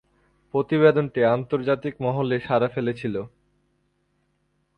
প্রতিবেদনটি আন্তর্জাতিক মহলে সাড়া ফেলেছিল।